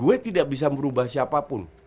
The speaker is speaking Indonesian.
gue tidak bisa merubah siapapun